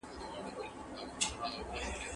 ایا ته غواړې چې له ما سره خبرې وکړې؟